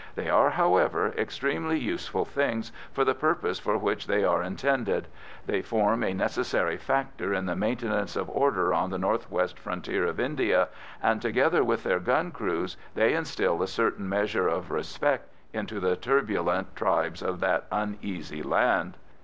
They are, however, extremely useful things for the purpose for which they are intended; they form a necessary factor in the maintenance of order on the north west frontier of India, and, together with their gun crews, they instil a certain measure of respect into the turbulent tribes of that uneasy land.